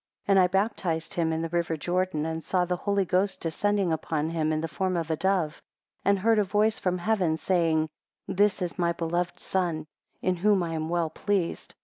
13 And I baptized him in the river Jordan, and saw the Holy Ghost descending upon him in the form of a dove, and heard a voice from heaven saying, This is my beloved Son, in whom I am well pleased.